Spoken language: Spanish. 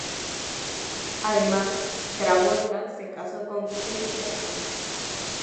Además Travolta se casó con Kelly Preston.